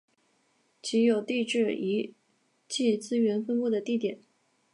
即有地质遗迹资源分布的地点。